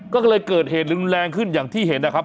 ก็เลยเกิดเหตุรุนแรงขึ้นอย่างที่เห็นนะครับ